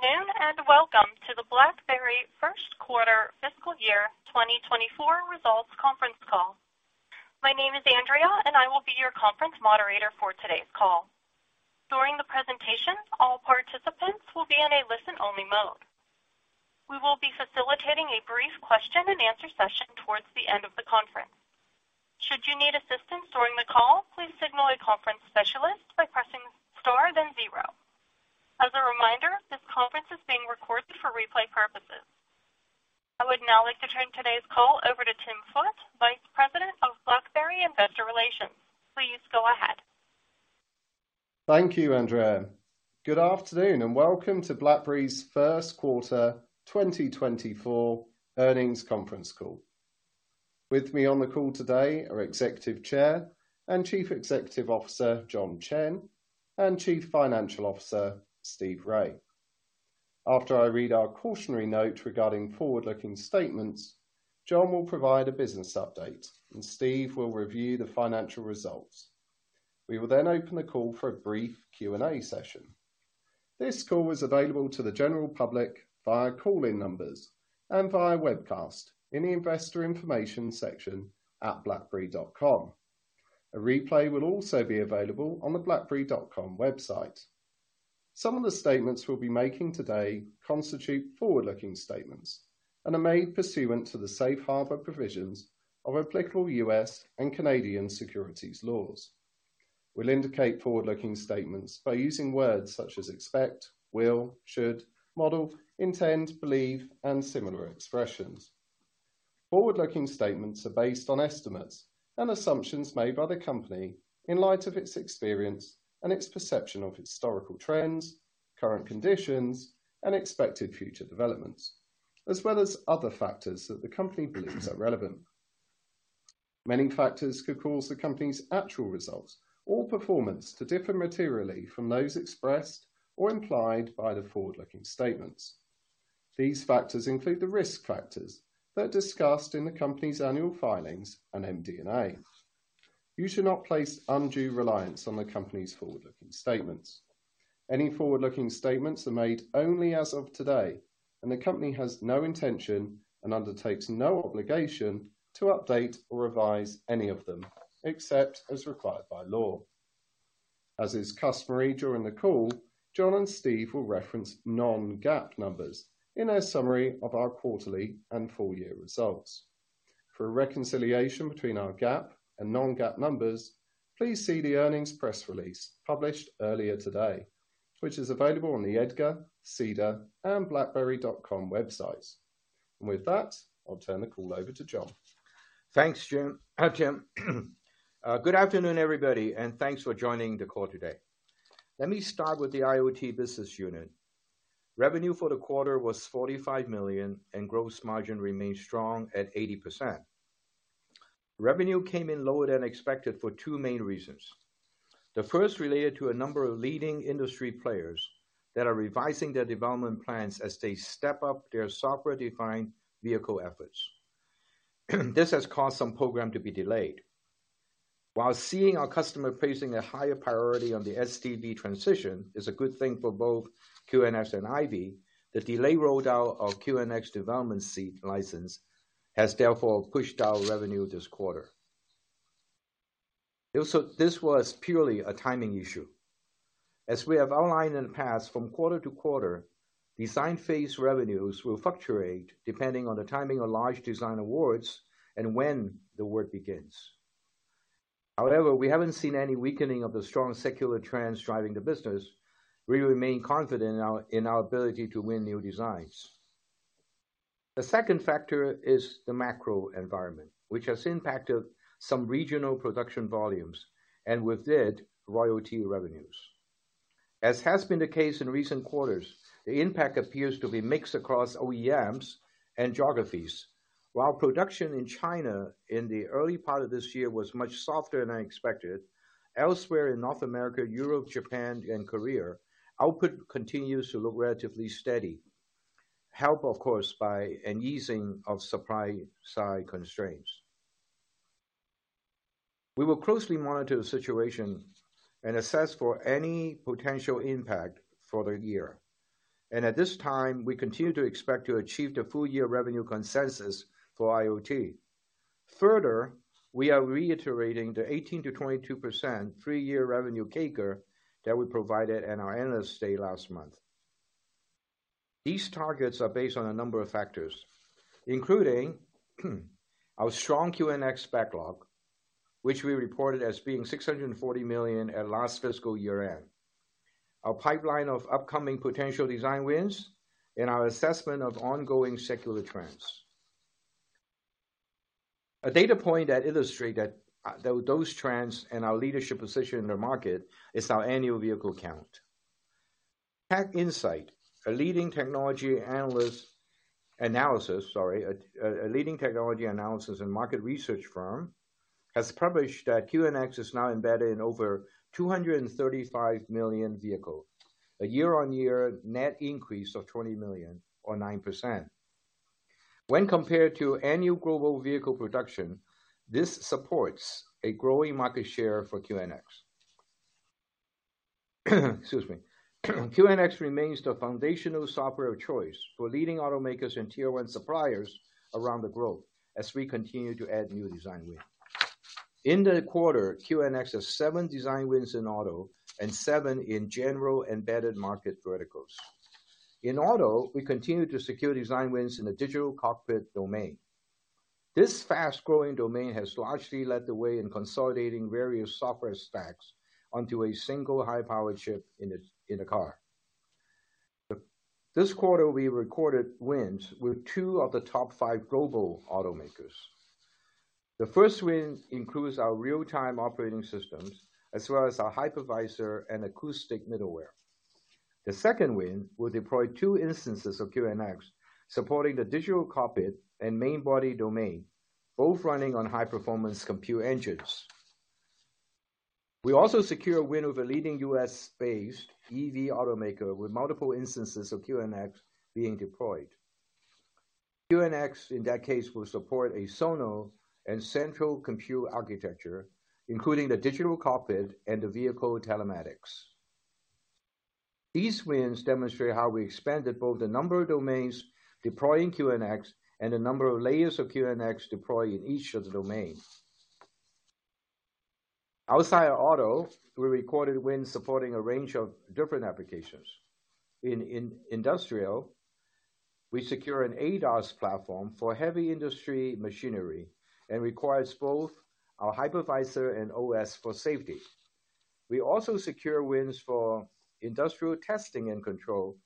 Good afternoon, and welcome to the BlackBerry first quarter fiscal year 2024 results conference call. My name is Andrea, and I will be your conference moderator for today's call. During the presentation, all participants will be in a listen-only mode. We will be facilitating a brief question-and-answer session towards the end of the conference. Should you need assistance during the call, please signal a conference specialist by pressing star then zero. As a reminder, this conference is being recorded for replay purposes. I would now like to turn today's call over to Tim Foote, Vice President of BlackBerry Investor Relations. Please go ahead. Thank you, Andrea. Good afternoon. Welcome to BlackBerry's first quarter 2024 earnings conference call. With me on the call today are Executive Chair and Chief Executive Officer, John Chen, and Chief Financial Officer, Steve Rai. After I read our cautionary note regarding forward-looking statements, John will provide a business update, and Steve will review the financial results. We will then open the call for a brief Q&A session. This call is available to the general public via call-in numbers and via webcast in the investor information section at blackberry.com. A replay will also be available on the blackberry.com website. Some of the statements we'll be making today constitute forward-looking statements and are made pursuant to the Safe Harbor provisions of applicable U.S. and Canadian securities laws. We'll indicate forward-looking statements by using words such as expect, will, should, model, intend, believe, and similar expressions. Forward-looking statements are based on estimates and assumptions made by the company in light of its experience and its perception of historical trends, current conditions, and expected future developments, as well as other factors that the company believes are relevant. Many factors could cause the company's actual results or performance to differ materially from those expressed or implied by the forward-looking statements. These factors include the risk factors that are discussed in the company's annual filings on MD&A. You should not place undue reliance on the company's forward-looking statements. Any forward-looking statements are made only as of today, and the company has no intention and undertakes no obligation to update or revise any of them, except as required by law. As is customary during the call, John and Steve will reference non-GAAP numbers in their summary of our quarterly and full year results. For a reconciliation between our GAAP and non-GAAP numbers, please see the earnings press release published earlier today, which is available on the EDGAR, SEDAR, and blackberry.com websites. With that, I'll turn the call over to John. Thanks, Tim. Good afternoon, everybody, and thanks for joining the call today. Let me start with the IoT business unit. Revenue for the quarter was $45 million, and gross margin remained strong at 80%. Revenue came in lower than expected for two main reasons. The first related to a number of leading industry players that are revising their development plans as they step up their software-defined vehicle efforts. This has caused some program to be delayed. While seeing our customer placing a higher priority on the SDV transition is a good thing for both QNX and IVY, the delayed rollout of QNX development seat license has therefore pushed out revenue this quarter. This was purely a timing issue. As we have outlined in the past, from quarter to quarter, design phase revenues will fluctuate depending on the timing of large design awards and when the work begins. However, we haven't seen any weakening of the strong secular trends driving the business. We remain confident in our ability to win new designs. The second factor is the macro environment, which has impacted some regional production volumes and with it, royalty revenues. As has been the case in recent quarters, the impact appears to be mixed across OEMs and geographies. While production in China in the early part of this year was much softer than expected, elsewhere in North America, Europe, Japan, and Korea, output continues to look relatively steady, helped, of course, by an easing of supply-side constraints. We will closely monitor the situation and assess for any potential impact for the year. At this time, we continue to expect to achieve the full year revenue consensus for IoT. Further, we are reiterating the 18%-22% three-year revenue CAGR that we provided at our analyst day last month. These targets are based on a number of factors, including, our strong QNX backlog, which we reported as being $640 million at last fiscal year-end, our pipeline of upcoming potential design wins, and our assessment of ongoing secular trends. A data point that illustrates that those trends and our leadership position in the market is our annual vehicle count. TechInsights, a leading technology analyst, analysis, sorry, a leading technology analysis and market research firm, has published that QNX is now embedded in over 235 million vehicles, a year-on-year net increase of 20 million or 9%. When compared to annual global vehicle production, this supports a growing market share for QNX. Excuse me. QNX remains the foundational software of choice for leading automakers and tier one suppliers around the globe as we continue to add new design wins. In the quarter, QNX has seven design wins in auto and seven in general embedded market verticals. In auto, we continue to secure design wins in the digital cockpit domain. This fast-growing domain has largely led the way in consolidating various software stacks onto a single high-powered chip in a car. This quarter, we recorded wins with two of the top five global automakers. The first win includes our real-time operating systems, as well as our hypervisor and acoustic middleware. The second win will deploy two instances of QNX, supporting the digital cockpit and main body domain, both running on high-performance compute engines. We also secure a win over leading U.S.-based EV automaker, with multiple instances of QNX being deployed. QNX, in that case, will support a zonala and central compute architecture, including the digital cockpit and the vehicle telematics. These wins demonstrate how we expanded both the number of domains deploying QNX and the number of layers of QNX deployed in each of the domains. Outside auto, we recorded wins supporting the range of different applications. In industrial, we secure an ADAS platform for heavy industry machinery and requires both our hypervisor and OS for safety. We also secure wins for industrial testing and control,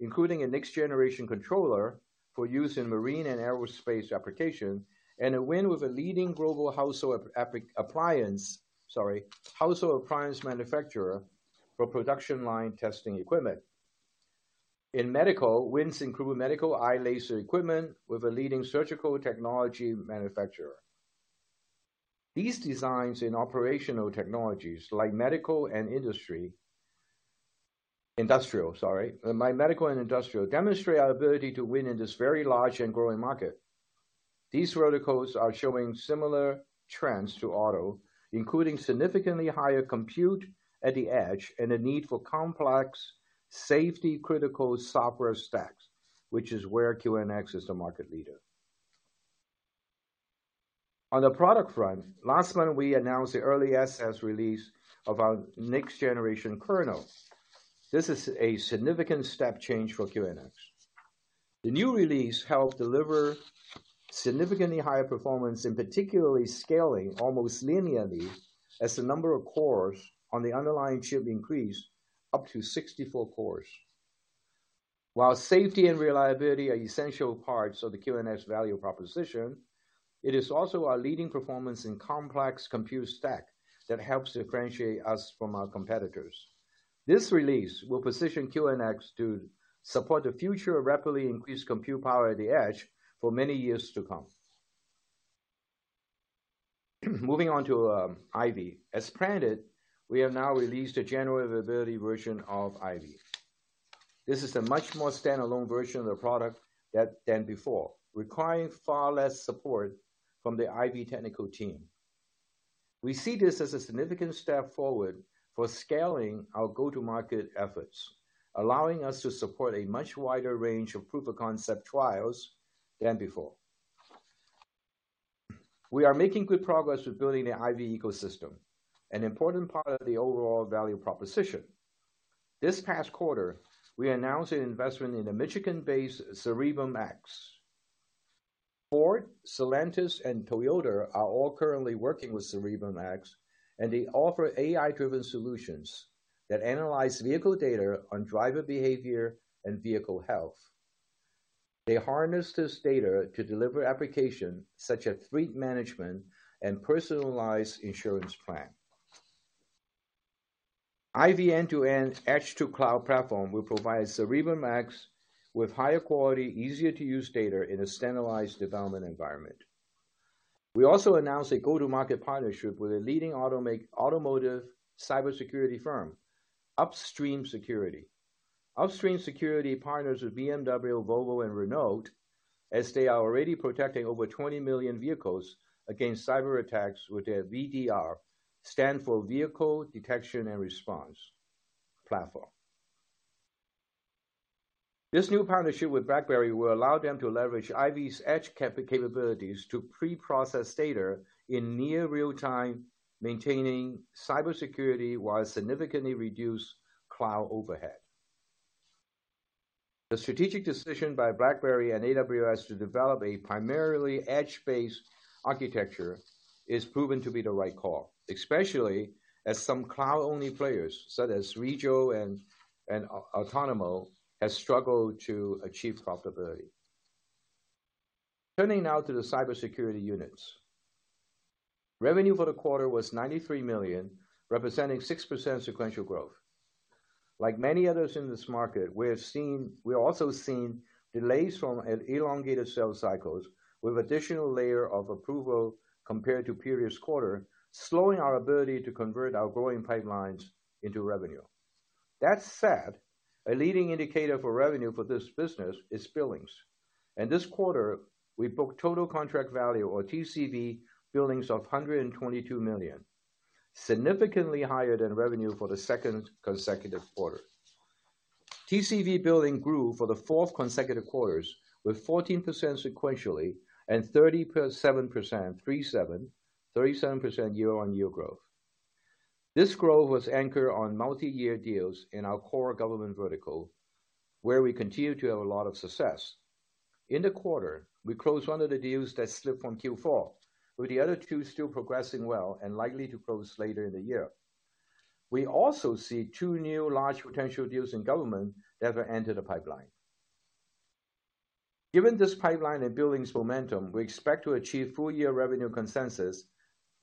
including a next generation controller for use in marine and aerospace applications, and a win with a leading global household appliance manufacturer for production line testing equipment. In medical, wins include medical eye laser equipment with a leading surgical technology manufacturer. These designs in operational technologies like medical and industrial, demonstrate our ability to win in this very large and growing market. These verticals are showing similar trends to auto, including significantly higher compute at the edge and a need for complex safety critical software stacks, which is where QNX is the market leader. On the product front, last month, we announced the early access release of our next-generation kernel. This is a significant step change for QNX. The new release helped deliver significantly higher performance, particularly scaling almost linearly as the number of cores on the underlying chip increased up to 64 cores. While safety and reliability are essential parts of the QNX value proposition, it is also our leading performance in complex compute stack that helps differentiate us from our competitors. This release will position QNX to support the future, rapidly increased compute power at the edge for many years to come. Moving on to IVY. As planned, we have now released a general availability version of IVY. This is a much more standalone version of the product than before, requiring far less support from the IVY technical team. We see this as a significant step forward for scaling our go-to-market efforts, allowing us to support a much wider range of proof of concept trials than before. We are making good progress with building the IVY ecosystem, an important part of the overall value proposition. This past quarter, we announced an investment in the Michigan-based CerebrumX. Ford, Stellantis, and Toyota are all currently working with CerebrumX, they offer AI-driven solutions that analyze vehicle data on driver behavior and vehicle health. They harness this data to deliver applications such as fleet management and personalized insurance plan. IVY end-to-end, edge-to-cloud platform will provide CerebrumX with higher quality, easier to use data in a standardized development environment. We also announced a go-to-market partnership with a leading automotive cybersecurity firm, Upstream Security. Upstream Security partners with BMW, Volvo and Renault, as they are already protecting over 20 million vehicles against cyberattacks with their VDR, stand for Vehicle Detection and Response platform. This new partnership with BlackBerry will allow them to leverage IVY's edge capabilities to pre-process data in near real time, maintaining cybersecurity while significantly reduce cloud overhead. The strategic decision by BlackBerry and AWS to develop a primarily edge-based architecture is proven to be the right call, especially as some cloud-only players such as Wejo and Otonomo has struggled to achieve profitability. Turning now to the cybersecurity units. Revenue for the quarter was $93 million, representing 6% sequential growth. Like many others in this market, we're also seeing delays from elongated sales cycles with additional layer of approval compared to previous quarter, slowing our ability to convert our growing pipelines into revenue. That said, a leading indicator for revenue for this business is billings. This quarter, we booked total contract value or TCV billings of $122 million, significantly higher than revenue for the second consecutive quarter. TCV billings grew for the fourth consecutive quarters, with 14% sequentially and 37% year-on-year growth. This growth was anchored on multi-year deals in our core government vertical, where we continue to have a lot of success. In the quarter, we closed one of the deals that slipped from Q4, with the other two still progressing well and likely to close later in the year. We also see two new large potential deals in government that have entered the pipeline. Given this pipeline and billings momentum, we expect to achieve full-year revenue consensus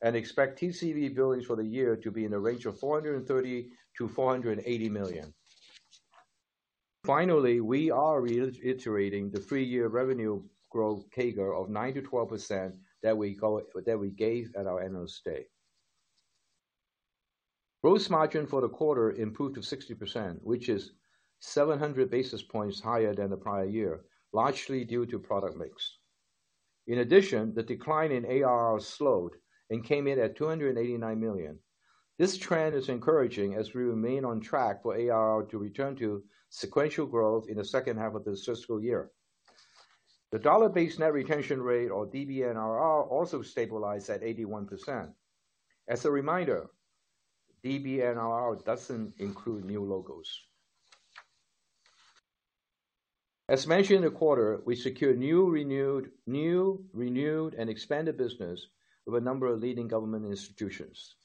and expect TCV billings for the year to be in the range of $430 million-$480 million. Finally, we are reiterating the three-year revenue growth CAGR of 9%-12% that we gave at our annual stay. Gross margin for the quarter improved to 60%, which is 700 basis points higher than the prior year, largely due to product mix. In addition, the decline in ARR slowed and came in at $289 million. This trend is encouraging as we remain on track for ARR to return to sequential growth in the second half of this fiscal year. The dollar-based net retention rate, or DBNRR, also stabilized at 81%. As a reminder, DBNRR doesn't include new logos. As mentioned in the quarter, we secured new, renewed, and expanded business with a number of leading government institutions.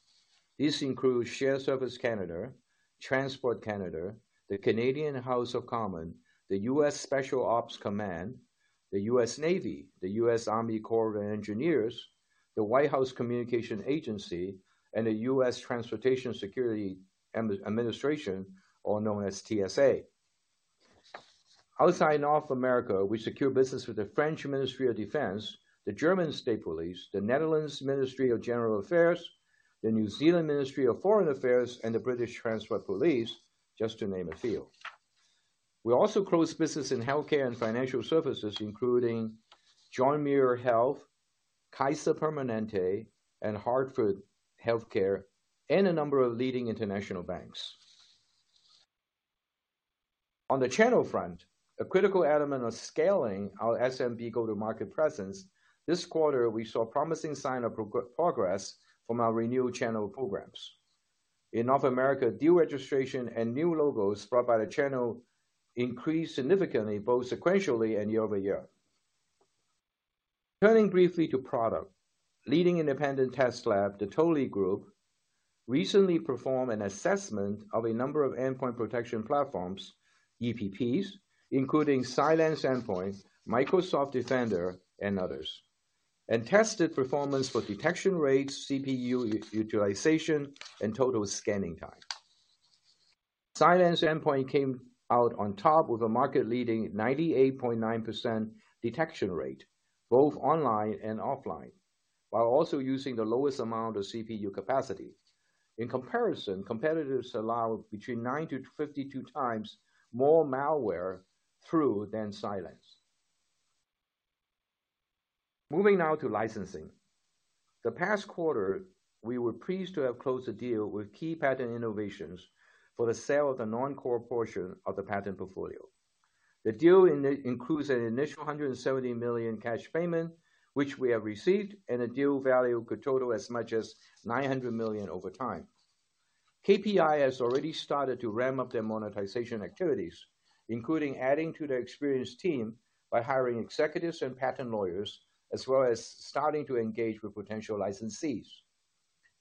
This includes Shared Services Canada, Transport Canada, the House of Commons of Canada, the U.S. Special Operations Command, the U.S. Navy, the U.S. Army Corps of Engineers, the White House Communications Agency, and the U.S. Transportation Security Administration, or known as TSA. Outside North America, we secure business with the French Ministry of the Armed Forces, the German State Police, the Netherlands Ministry of General Affairs, the New Zealand Ministry of Foreign Affairs and Trade, and the British Transport Police, just to name a few. We also closed business in healthcare and financial services, including John Muir Health, Kaiser Permanente, and Hartford HealthCare, and a number of leading international banks. On the channel front, a critical element of scaling our SMB go-to-market presence, this quarter, we saw promising sign of progress from our renewed channel programs. In North America, deal registration and new logos brought by the channel increased significantly, both sequentially and year-over-year. Turning briefly to product. Leading independent test lab, The Tolly Group, recently performed an assessment of a number of endpoint protection platforms, EPPs, including CylanceENDPOINT, Microsoft Defender, and others, and tested performance for detection rates, CPU utilization, and total scanning time. CylanceENDPOINT came out on top with a market-leading 98.9% detection rate, both online and offline, while also using the lowest amount of CPU capacity. In comparison, competitors allow between nine to 52 times more malware through than Cylance. Moving now to licensing. The past quarter, we were pleased to have closed a deal with Key Patent Innovations for the sale of the non-core portion of the patent portfolio. The deal includes an initial $170 million cash payment, which we have received, and a deal value could total as much as $900 million over time. KPI has already started to ramp up their monetization activities, including adding to their experienced team by hiring executives and patent lawyers, as well as starting to engage with potential licensees.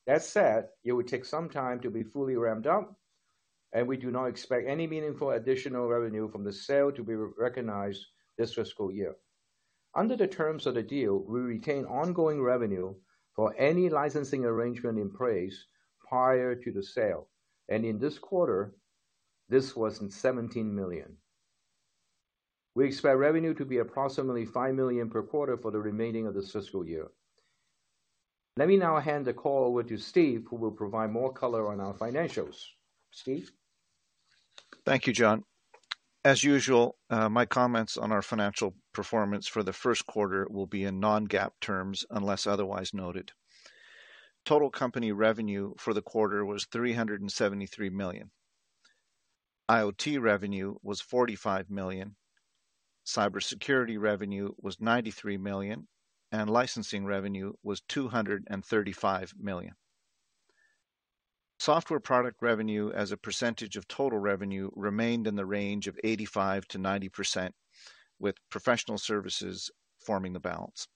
It would take some time to be fully ramped up, and we do not expect any meaningful additional revenue from the sale to be recognized this fiscal year. Under the terms of the deal, we retain ongoing revenue for any licensing arrangement in place prior to the sale, and in this quarter, this was in $17 million. We expect revenue to be approximately $5 million per quarter for the remaining of this fiscal year. Let me now hand the call over to Steve, who will provide more color on our financials. Steve? Thank you, John. As usual, my comments on our financial performance for the first quarter will be in non-GAAP terms, unless otherwise noted. Total company revenue for the quarter was $373 million. IoT revenue was $45 million, cybersecurity revenue was $93 million, and licensing revenue was $235 million. Software product revenue, as a percentage of total revenue, remained in the range of 85%-90%, with professional services forming the balance.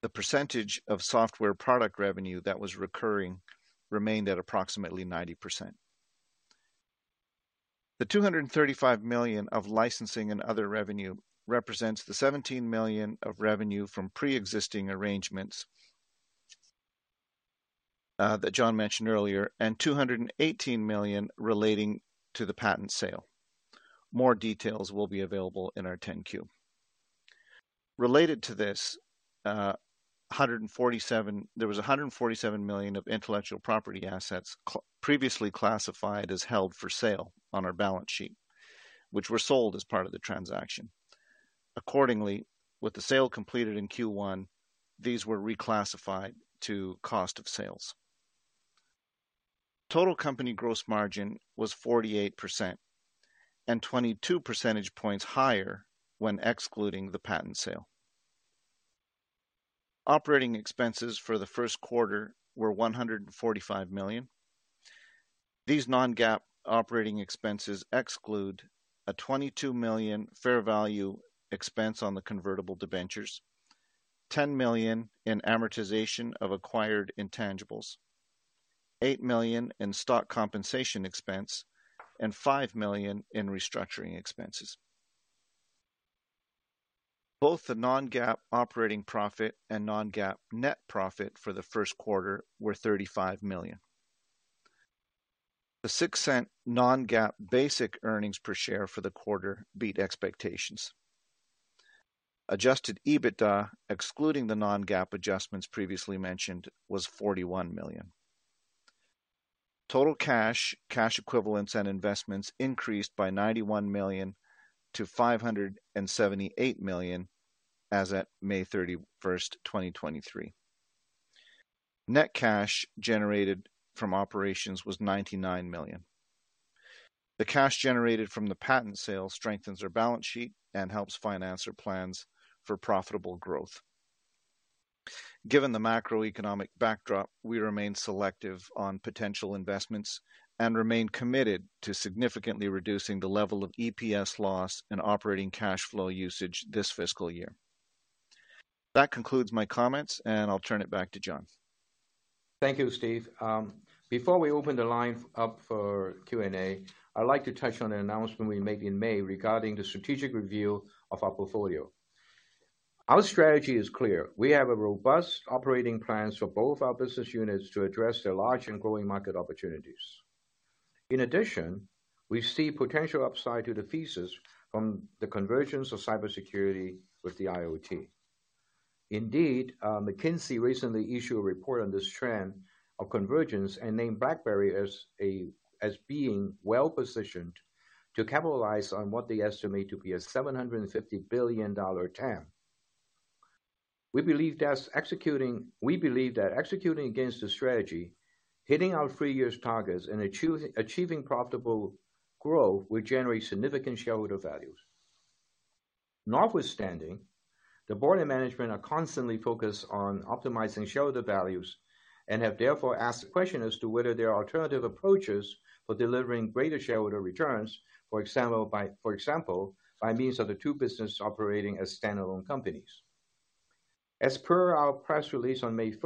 The percentage of software product revenue that was recurring remained at approximately 90%. The $235 million of licensing and other revenue represents the $17 million of revenue from pre-existing arrangements, that John mentioned earlier, and $218 million relating to the patent sale. More details will be available in our 10-Q. Related to this, 147, there was a $147 million of intellectual property assets previously classified as held for sale on our balance sheet, which were sold as part of the transaction. Accordingly, with the sale completed in Q1, these were reclassified to cost of sales. Total company gross margin was 48% and 22 percentage points higher when excluding the patent sale. Operating expenses for the first quarter were $145 million. These non-GAAP operating expenses exclude a $22 million fair value expense on the convertible debentures, $10 million in amortization of acquired intangibles, $8 million in stock compensation expense, and $5 million in restructuring expenses. Both the non-GAAP operating profit and non-GAAP net profit for the first quarter were $35 million. The $0.06 non-GAAP basic earnings per share for the quarter beat expectations. Adjusted EBITDA, excluding the non-GAAP adjustments previously mentioned, was $41 million. Total cash equivalents, and investments increased by $91 million to $578 million as at May 31, 2023. Net cash generated from operations was $99 million. The cash generated from the patent sale strengthens our balance sheet and helps finance our plans for profitable growth. Given the macroeconomic backdrop, we remain selective on potential investments and remain committed to significantly reducing the level of EPS loss and operating cash flow usage this fiscal year. That concludes my comments, I'll turn it back to John. Thank you, Steve. Before we open the line up for Q&A, I'd like to touch on an announcement we made in May regarding the strategic review of our portfolio. Our strategy is clear. We have a robust operating plans for both our business units to address their large and growing market opportunities. In addition, we see potential upside to the thesis from the convergence of cybersecurity with the IoT. Indeed, McKinsey recently issued a report on this trend of convergence and named BlackBerry as being well-positioned to capitalize on what they estimate to be a $750 billion TAM. We believe that executing against the strategy, hitting our three years targets, and achieving profitable growth will generate significant shareholder values. Notwithstanding, the board and management are constantly focused on optimizing shareholder values and have therefore asked the question as to whether there are alternative approaches for delivering greater shareholder returns, for example, by means of the two business operating as standalone companies. As per our press release on May 1st,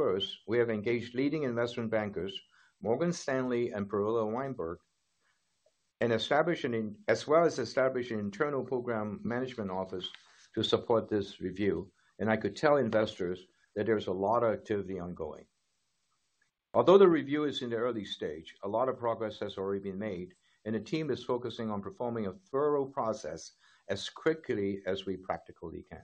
2023, we have engaged leading investment bankers, Morgan Stanley and Perella Weinberg, established an internal program management office to support this review, and I could tell investors that there's a lot of activity ongoing. Although the review is in the early stage, a lot of progress has already been made, and the team is focusing on performing a thorough process as quickly as we practically can.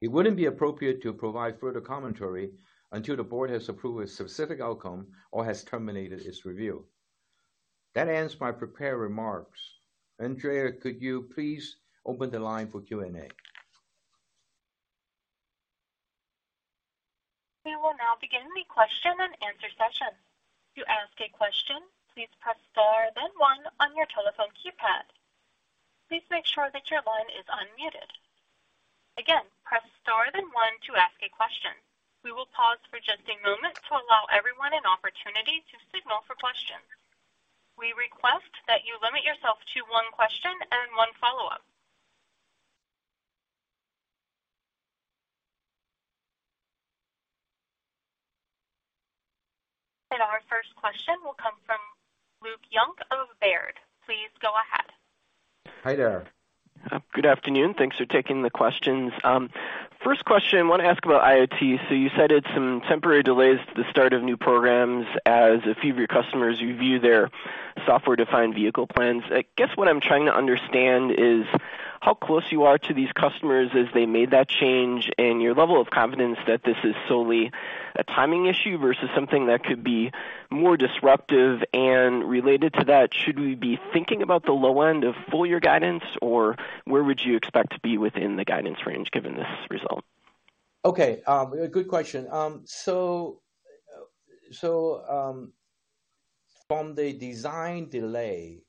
It wouldn't be appropriate to provide further commentary until the board has approved a specific outcome or has terminated its review. That ends my prepared remarks. Andrea, could you please open the line for Q&A? We will now begin the question and answer session. To ask a question, please press star then one on your telephone keypad. Please make sure that your line is unmuted. Again, press star then one to ask a question. We will pause for just a moment to allow everyone an opportunity to signal for questions. We request that you limit yourself to one question and one follow-up. Our first question will come from Luke Junk of Baird. Please go ahead. Hi there. Good afternoon. Thanks for taking the questions. First question, I want to ask about IoT. You cited some temporary delays to the start of new programs as a few of your customers review their software-defined vehicle plans. I guess what I'm trying to understand is how close you are to these customers as they made that change and your level of confidence that this is solely a timing issue versus something that could be more disruptive? Related to that, should we be thinking about the low end of full-year guidance, or where would you expect to be within the guidance range, given this result? Okay, good question. From the design delay,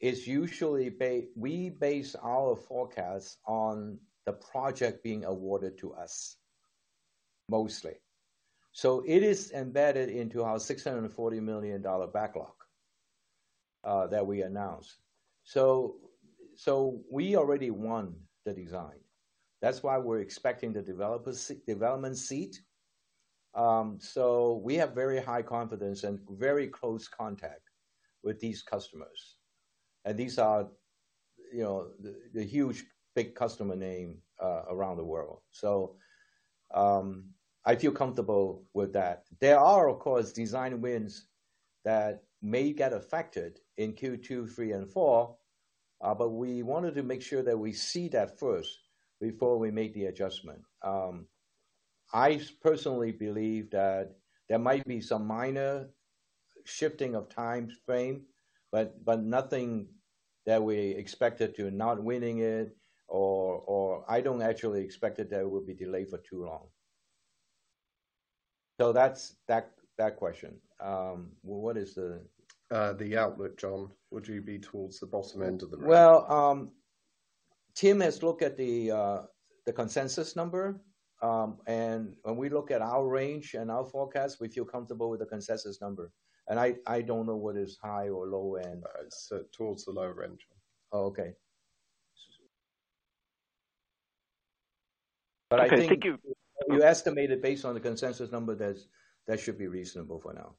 it's usually, we base our forecasts on the project being awarded to us, mostly. It is embedded into our $640 million backlog that we announced. We already won the design. That's why we're expecting the developers, development seat. We have very high confidence and very close contact with these customers. These are, you know, the huge, big customer name around the world. I feel comfortable with that. There are, of course, design wins that may get affected in Q2, Q3, and Q4, but we wanted to make sure that we see that first before we make the adjustment. I personally believe that there might be some minor shifting of time frame, but nothing that we expected to not winning it or I don't actually expect that there will be delayed for too long. That's that question. Well, what is the. The outlook, John, would you be towards the bottom end of the range? Well, Tim has looked at the consensus number, and when we look at our range and our forecast, we feel comfortable with the consensus number. I don't know what is high or low end. It's, towards the lower end. Oh, okay. I think. Okay, thank you. You estimate it based on the consensus number, that's, that should be reasonable for now.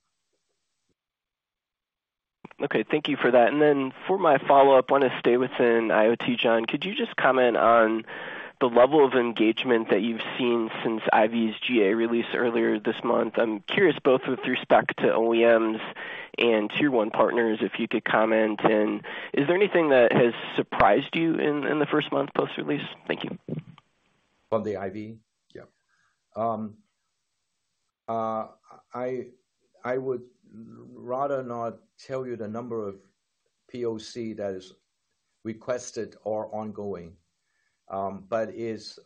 Okay, thank you for that. For my follow-up, I want to stay within IoT. John, could you just comment on the level of engagement that you've seen since IVY's GA release earlier this month? I'm curious, both with respect to OEMs and tier one partners, if you could comment. Is there anything that has surprised you in the first month post-release? Thank you. On the IVY? Yeah. I would rather not tell you the number of POC that is requested or ongoing, but is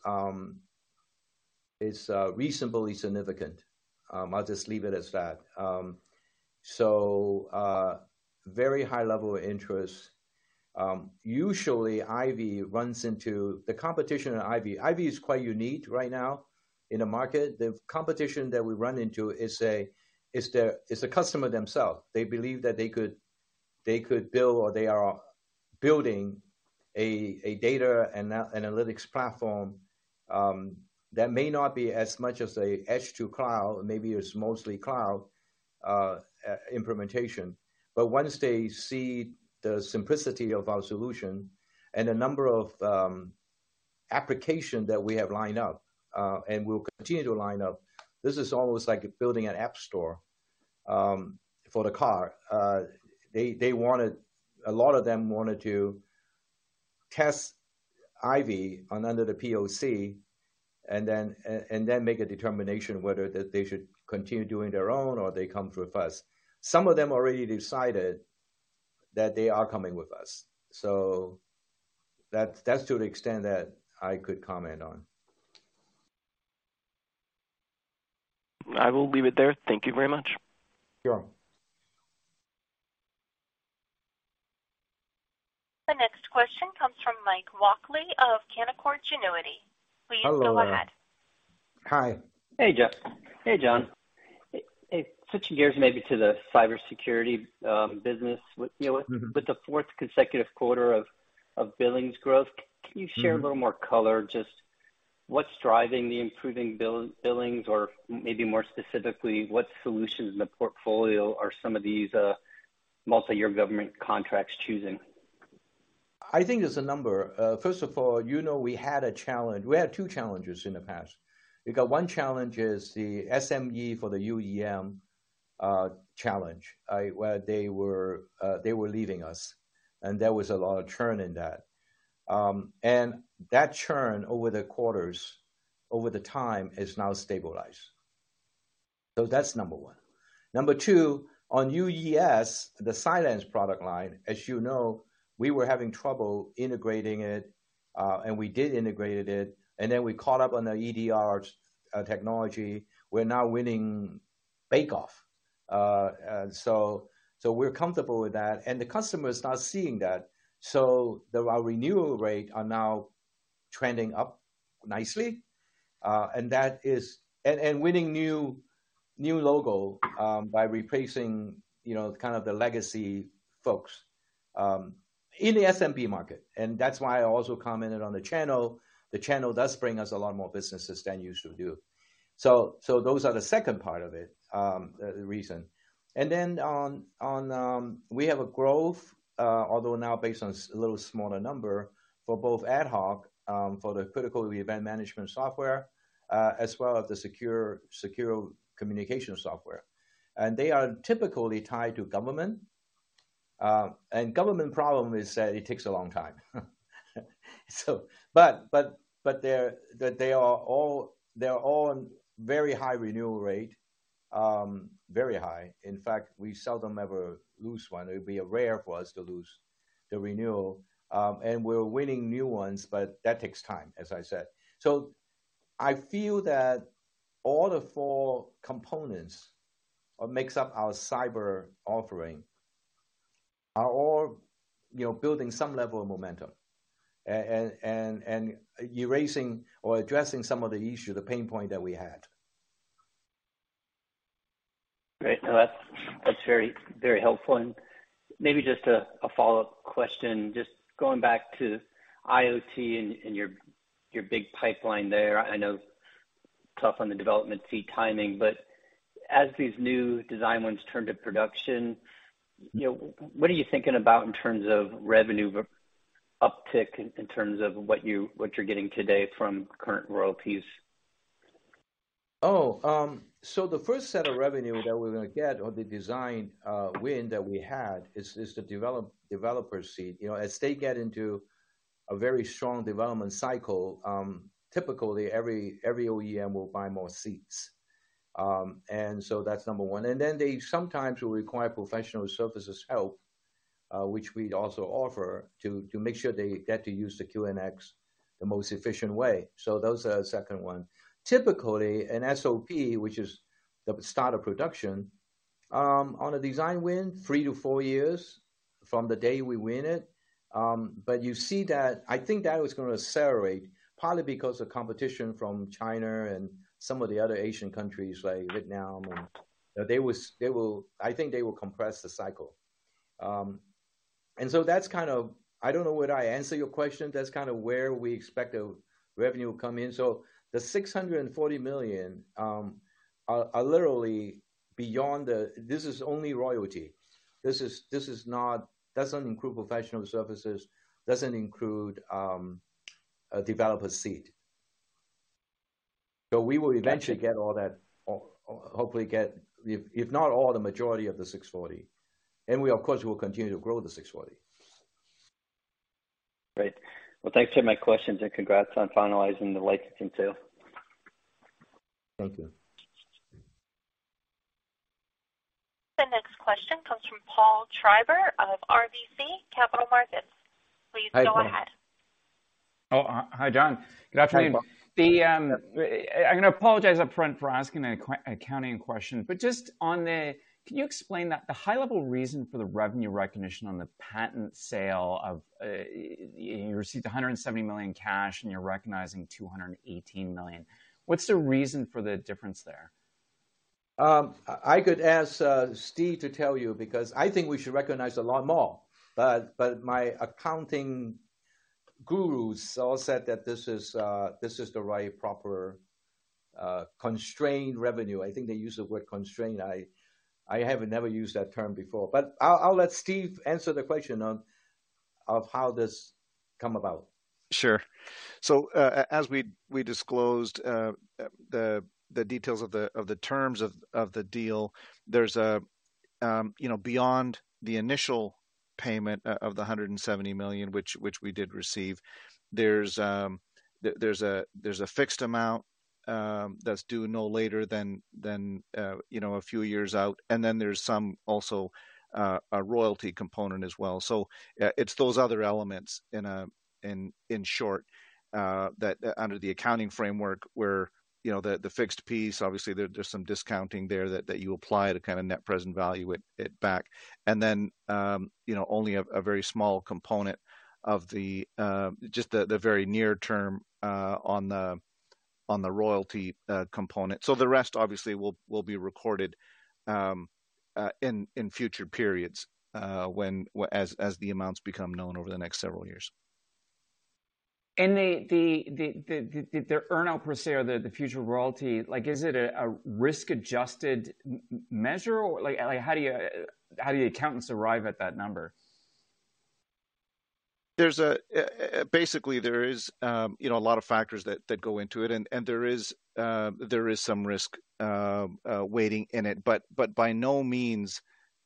reasonably significant. I'll just leave it as that. Very high level of interest. Usually, IVY runs into the competition, IVY is quite unique right now in the market. The competition that we run into is the customer themselves. They believe that they could build, or they are building a data analytics platform, that may not be as much as a edge to cloud, maybe it's mostly cloud implementation. Once they see the simplicity of our solution and the number of application that we have lined up, and we'll continue to line up, this is almost like building an app store for the car. A lot of them wanted to test IVY on under the POC and then make a determination whether that they should continue doing their own or they come with us. Some of them already decided that they are coming with us, so that's to the extent that I could comment on. I will leave it there. Thank you very much. Sure. The next question comes from Mike Walkley of Canaccord Genuity. Hello. Please go ahead. Hi. Hey, John, switching gears maybe to the cybersecurity business. Mm-hmm. With the fourth consecutive quarter of billings growth. Mm-hmm. Can you share a little more color, just what's driving the improving billings, or maybe more specifically, what solutions in the portfolio are some of these, multi-year government contracts choosing? I think there's a number. First of all, you know, we had a challenge. We had two challenges in the past. We got one challenge is the SME for the UEM challenge, where they were leaving us, and there was a lot of churn in that. That churn over the quarters, over the time is now stabilized. That's number one. Number two, on UES, the Cylance product line, as you know, we were having trouble integrating it, and we did integrated it, and then we caught up on the EDR technology. We're now winning bake-off. We're comfortable with that, and the customer start seeing that. The, our renewal rate are now trending up nicely, and that is winning new logo, by replacing, you know, kind of the legacy folks, in the SMB market. That's why I also commented on the channel. The channel does bring us a lot more businesses than you usually do. Those are the second part of it, the reason. On, on, we have a growth, although now based on a little smaller number for both AtHoc, for the critical event management software, as well as the secure communication software. They are typically tied to government. Government problem is that it takes a long time. But they're, they are all on very high renewal rate, very high. In fact, we seldom ever lose one. It would be rare for us to lose the renewal. We're winning new ones, but that takes time, as I said. I feel that all the four components of makes up our cyber offering are all, you know, building some level of momentum, and erasing or addressing some of the issue, the pain point that we had. Great. No, that's very, very helpful. Maybe just a follow-up question, just going back to IoT and your big pipeline there. I know, tough on the development fee timing, but as these new design ones turn to production, you know, what are you thinking about in terms of revenue uptick, in terms of what you're getting today from current royalties? The first set of revenue that we're gonna get, or the design win that we had, is the developer seat. You know, as they get into a very strong development cycle, typically, every OEM will buy more seats. That's number one. They sometimes will require professional services help, which we also offer, to make sure they get to use the QNX the most efficient way. Those are the second one. Typically, an SOP, which is the start of production, on a design win, three to four years from the day we win it. I think that is gonna accelerate, partly because of competition from China and some of the other Asian countries like Vietnam, and I think they will compress the cycle. That's kind of, I don't know whether I answered your question. That's kind of where we expect the revenue will come in. The $640 million are literally beyond the, this is only royalty. This doesn't include professional services, doesn't include a developer seat. We will eventually get all that, or hopefully get, if not all, the majority of the $640, and we, of course, will continue to grow the $640. Great. Well, thanks for my questions, and congrats on finalizing the licensing too. Thank you. The next question comes from Paul Treiber of RBC Capital Markets. Please go ahead. Hi, Paul. Oh, hi, John. Good afternoon. Hi. The I'm gonna apologize upfront for asking an accounting question. Just on the, can you explain that, the high-level reason for the revenue recognition on the patent sale of? You received $170 million cash, and you're recognizing $218 million. What's the reason for the difference there? I could ask Steve to tell you, because I think we should recognize a lot more. My accounting gurus all said that this is the right, proper, constrained revenue. I think they use the word constrained. I have never used that term before. I'll let Steve answer the question on, of how this come about. Sure. As we disclosed, the details of the terms of the deal, there's beyond the initial payment of the $170 million, which we did receive, there's a fixed amount that's due no later than a few years out, and then there's some also a royalty component as well. It's those other elements in short, that under the accounting framework, where the fixed piece, obviously, there's some discounting there that you apply to kind of net present value it back. Only a very small component of the very near term, on the royalty component. The rest, obviously, will be recorded in future periods, when as the amounts become known over the next several years. The earn out per se or the future royalty, like, is it a risk-adjusted measure? Or like, how do you, how do the accountants arrive at that number? There's basically, there is, you know, a lot of factors that go into it, and there is some risk waiting in it. By no means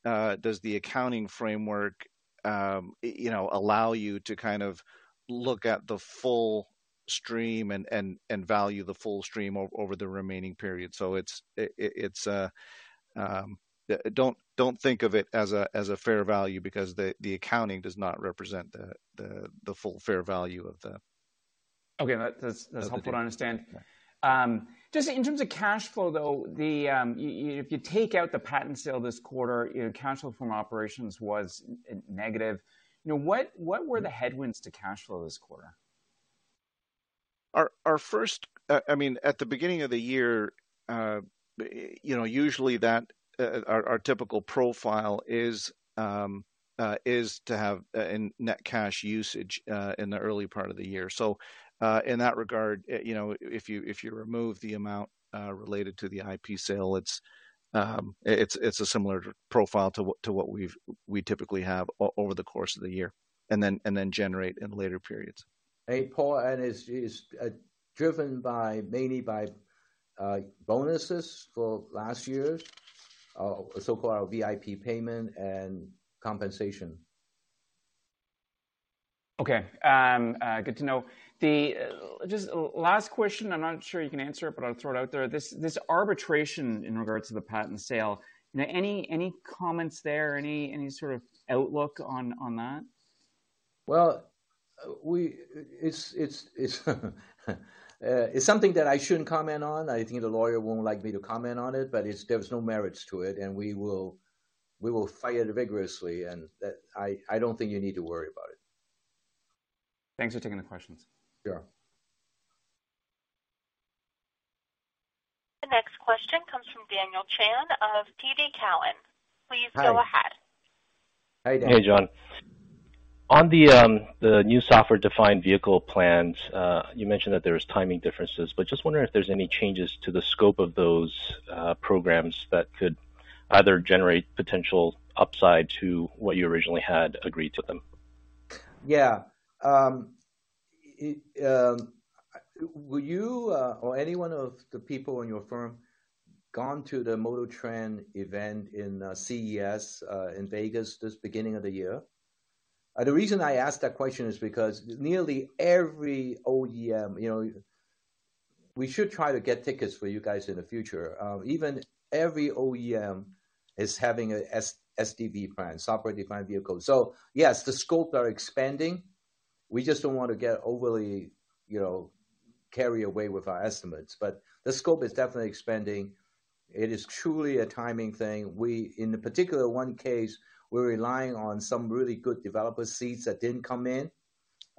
does the accounting framework, you know, allow you to kind of look at the full stream and value the full stream over the remaining period. It's, don't think of it as a fair value because the accounting does not represent the full fair value of the. Okay, that's helpful to understand. Yeah. Just in terms of cash flow, though, if you take out the patent sale this quarter, you know, cash flow from operations was negative. You know, what were the headwinds to cash flow this quarter? Our first. I mean, at the beginning of the year, you know, usually that our typical profile is to have a net cash usage in the early part of the year. In that regard, you know, if you remove the amount related to the IP sale, it's a similar profile to what we've, we typically have over the course of the year, and then generate in later periods. Hey, Paul, and it's driven by, mainly by, bonuses for last year's so-called VIP payment and compensation. Okay, good to know. The last question, I'm not sure you can answer it, but I'll throw it out there. This arbitration in regards to the patent sale, you know, any sort of outlook on that? Well, It's something that I shouldn't comment on. I think the lawyer won't like me to comment on it. There's no merits to it. We will fight it vigorously. That, I don't think you need to worry about it. Thanks for taking the questions. Sure. The next question comes from Daniel Chan of TD Cowen. Hi. Please go ahead. Hi, Dan. Hey, John. On the new software-defined vehicle plans, you mentioned that there was timing differences. Just wondering if there's any changes to the scope of those programs that could either generate potential upside to what you originally had agreed to them? Yeah. Will you, or any one of the people in your firm gone to the MotorTrend event in CES in Vegas, this beginning of the year? The reason I ask that question is because nearly every OEM, you know, we should try to get tickets for you guys in the future. Even every OEM is having a SDV plan, software-defined vehicle. Yes, the scope are expanding. We just don't want to get overly, you know, carry away with our estimates, but the scope is definitely expanding. It is truly a timing thing. We, in the particular one case, we're relying on some really good developer seats that didn't come in,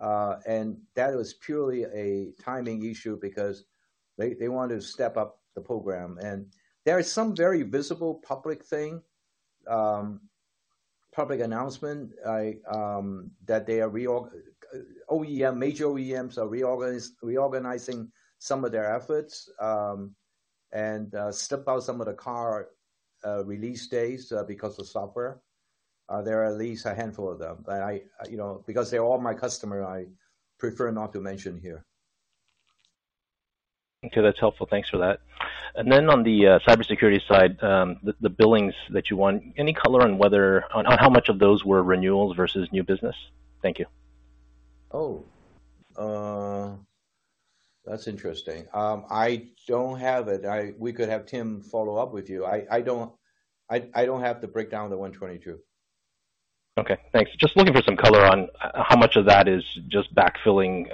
and that was purely a timing issue because they wanted to step up the program. There are some very visible public announcement that OEM, major OEMs are reorganizing some of their efforts, and step out some of the car release dates because of software. There are at least a handful of them, but I, you know, because they're all my customer, I prefer not to mention here. Okay, that's helpful. Thanks for that. On the cybersecurity side, the billings that you won, any color on how much of those were renewals versus new business? Thank you. That's interesting. I don't have it. We could have Tim follow up with you. I don't have the breakdown of the 122. Okay, thanks. Just looking for some color on how much of that is just backfilling,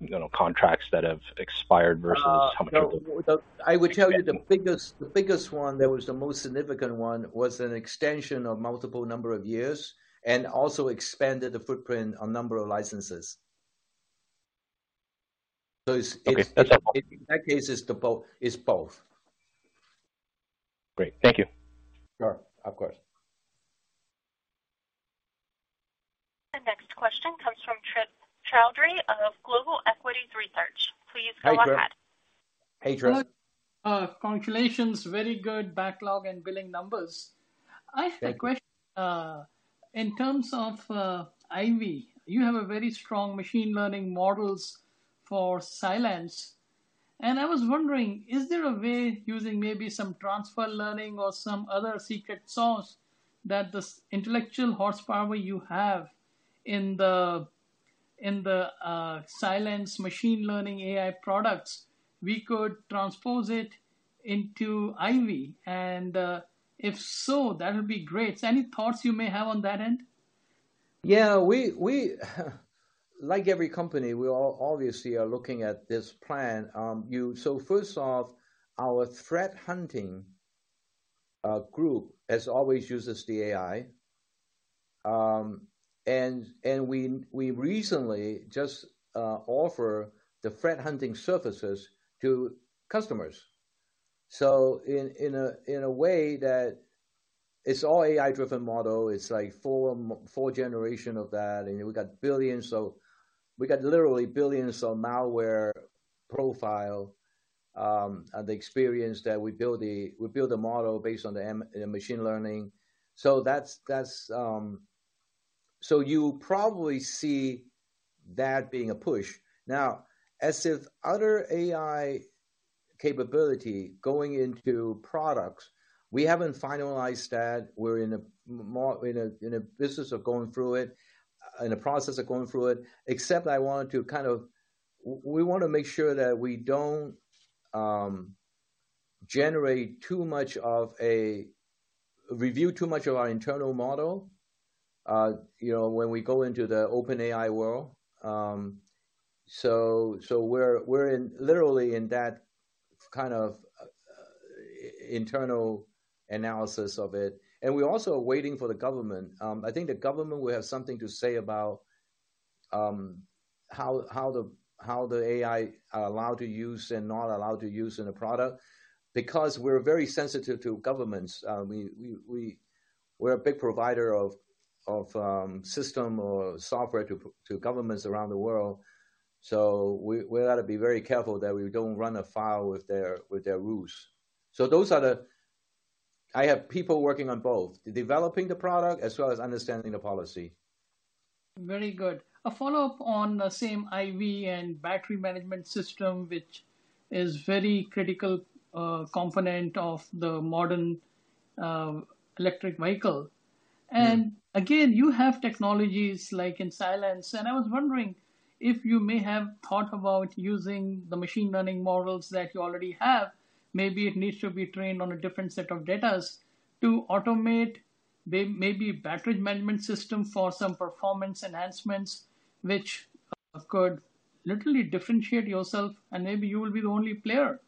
you know, contracts that have expired versus how much of it? I would tell you the biggest one that was the most significant one was an extension of multiple number of years and also expanded the footprint on number of licenses. Okay. In that case, it's the both. It's both. Great. Thank you. Sure. Of course. The next question comes from Trip Chowdhry of Global Equities Research. Please go ahead. Hi, Trip. Hey, Trip. Good. Congratulations. Very good backlog and billing numbers. Thank you. I have a question. In terms of, IVY, you have a very strong machine learning models for Cylance, and I was wondering, is there a way, using maybe some transfer learning or some other secret sauce, that this intellectual horsepower you have in the Cylance machine learning AI products, we could transpose it into IVY? If so, that would be great. Any thoughts you may have on that end? We, like every company, we all obviously are looking at this plan. First off, our threat hunting group as always uses the AI. And we recently just offer the threat hunting services to customers. In a way that it's all AI-driven model, it's like four generation of that, and we got billions. We got literally billions of malware profile, and the experience that we build a model based on the machine learning. That's. You probably see that being a push. As with other AI capability going into products, we haven't finalized that. We're in a more, in a, in a business of going through it, in a process of going through it, except we want to make sure that we don't generate too much of a, review too much of our internal model, you know, when we go into the open AI world. So, we're in literally in that kind of internal analysis of it. We're also waiting for the government. I think the government will have something to say about how the AI are allowed to use and not allowed to use in a product, because we're very sensitive to governments. We're a big provider of system or software to governments around the world, so we ought to be very careful that we don't run afoul with their rules. I have people working on both, developing the product as well as understanding the policy. Very good. A follow-up on the same IVY and battery management system, which is very critical component of the modern electric vehicle. Mm-hmm. Again, you have technologies like in Cylance, I was wondering if you may have thought about using the machine learning models that you already have. Maybe it needs to be trained on a different set of data to automate maybe battery management system for some performance enhancements, which could literally differentiate yourself, and maybe you will be the only player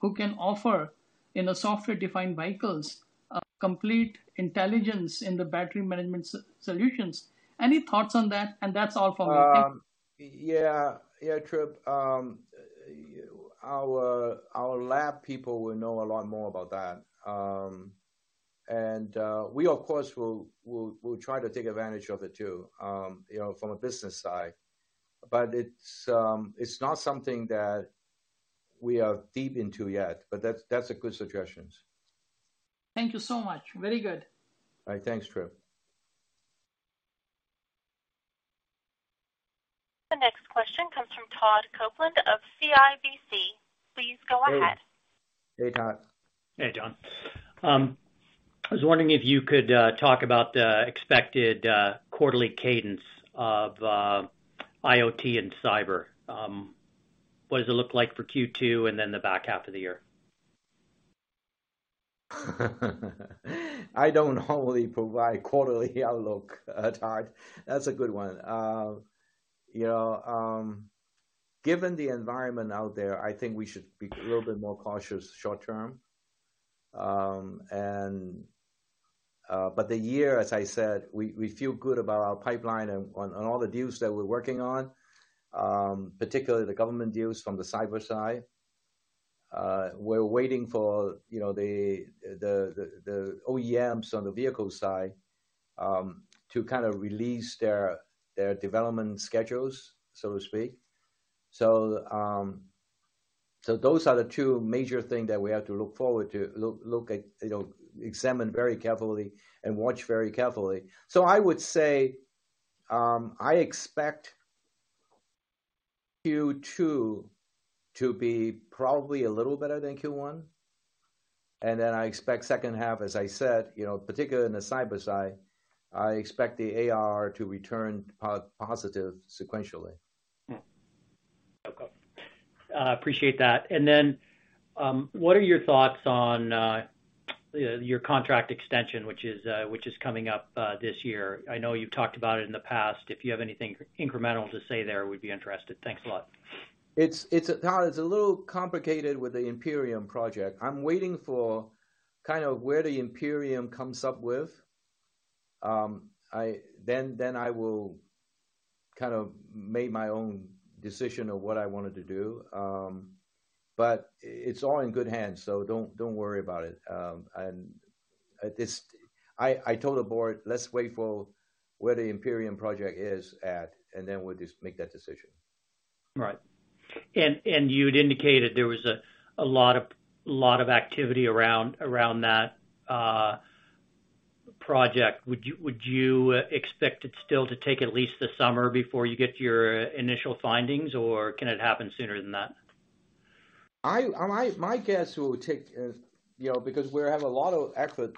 who can offer, in a software-defined vehicles, a complete intelligence in the battery management solutions. Any thoughts on that? That's all for me. Thank you. Yeah. Yeah, Trip. Our lab people will know a lot more about that. We, of course, will try to take advantage of it, too, you know, from a business side. It's not something that we are deep into yet, but that's a good suggestions. Thank you so much. Very good. All right, thanks Trip. The next question comes from Todd Coupland of CIBC. Please go ahead. Hey, Todd. Hey, John. I was wondering if you could talk about the expected quarterly cadence of IoT and cyber. What does it look like for Q2 and then the back half of the year? I don't normally provide quarterly outlook, Todd. That's a good one. You know, given the environment out there, I think we should be a little bit more cautious short term. The year, as I said, we feel good about our pipeline on all the deals that we're working on, particularly the government deals from the cyber side. We're waiting for, you know, the OEMs on the vehicle side to kind of release their development schedules, so to speak. Those are the two major things that we have to look forward to. Look at, you know, examine very carefully and watch very carefully. I would say, I expect Q2 to be probably a little better than Q1. I expect second half, as I said, you know, particularly in the cyber side, I expect the AR to return positive sequentially. Okay. appreciate that. What are your thoughts on your contract extension, which is coming up this year? I know you've talked about it in the past. If you have anything incremental to say there, we'd be interested. Thanks a lot. It's Todd, it's a little complicated with the Imperium project. I'm waiting for kind of where the Imperium comes up with. I will kind of make my own decision of what I wanted to do. It's all in good hands, so don't worry about it. I told the board, let's wait for where the Imperium project is at, and then we'll just make that decision. Right. You'd indicated there was a lot of activity around that project. Would you expect it still to take at least the summer before you get your initial findings, or can it happen sooner than that? My guess it would take, you know, because we have a lot of effort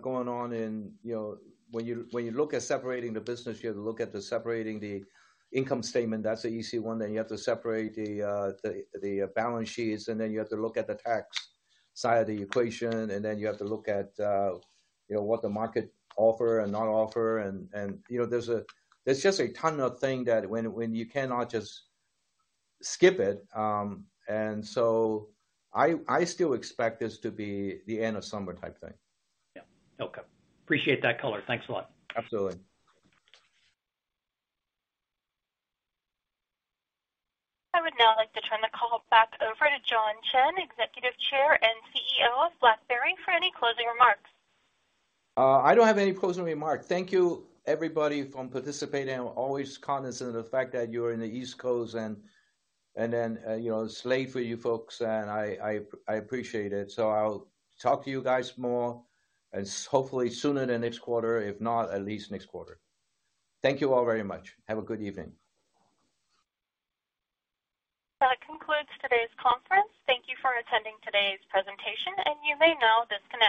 going on in, you know, when you, when you look at separating the business, you have to look at separating the income statement. That's the easy one. Then you have to separate the balance sheets, and then you have to look at the tax side of the equation, and then you have to look at, you know, what the market offer and not offer. You know, there's just a ton of things that when you cannot just skip it. I still expect this to be the end of summer type thing. Yeah. Okay. Appreciate that color. Thanks a lot. Absolutely. I would now like to turn the call back over to John Chen, Executive Chair and CEO of BlackBerry, for any closing remarks. I don't have any closing remarks. Thank you, everybody, for participating. I'm always cognizant of the fact that you're in the East Coast, and then, you know, it's late for you folks, and I appreciate it. I'll talk to you guys more, and hopefully sooner than next quarter. If not, at least next quarter. Thank you all very much. Have a good evening. That concludes today's conference. Thank you for attending today's presentation. You may now disconnect.